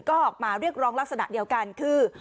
ก็ออกมาเรียกร้องลักษณะเดียวกันคือ